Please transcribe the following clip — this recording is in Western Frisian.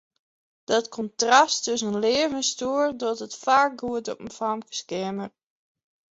Dat kontrast tusken leaf en stoer docht it faak goed op in famkeskeamer.